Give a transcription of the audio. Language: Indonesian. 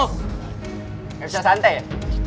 gak usah santai ya